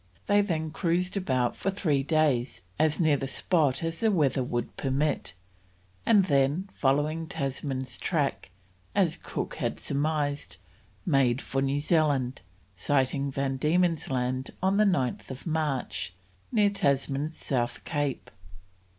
They then cruised about for three days as near the spot as the weather would permit, and then, following Tasman's track, as Cook had surmised, made for New Zealand, sighting Van Diemen's Land on 9th March, near Tasman's South Cape.